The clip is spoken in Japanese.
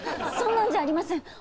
そんなんじゃありません！